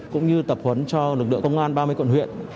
cũng như tập huấn cho lực lượng công an ba mươi quận huyện